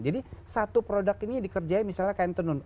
jadi satu produk ini dikerjain misalnya kain tenun